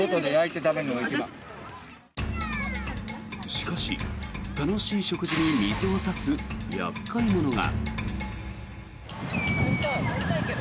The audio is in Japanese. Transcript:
しかし楽しい食事に水を差す厄介者が。